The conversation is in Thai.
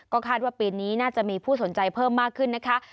คาดว่าปีนี้น่าจะมีผู้สนใจเพิ่มมากขึ้นนะคะ